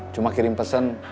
cuma kirim pesan